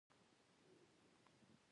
د خوشبختی داستان جوړ کړی.